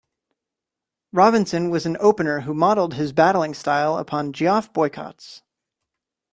Robinson was an opener who modelled his batting style upon Geoff Boycott's.